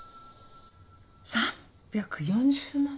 ３４０万？